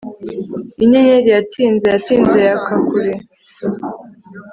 Inyenyeri yatinze yatinze yaka kure